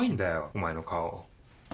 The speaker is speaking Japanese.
お前の顔。